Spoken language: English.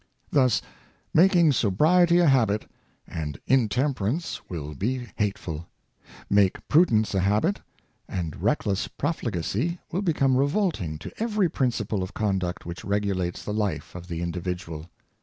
Thus making sobriety a habit, and intemperance will be hateful; make prudence a habit, and reckless profligacy will become revolting to every principle of conduct which regulates the life of the individual.